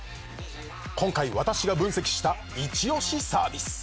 今回私が分析したイチ押しサービス。